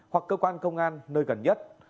hoặc cơ quan công an nơi gần nhất